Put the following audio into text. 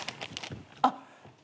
あっ。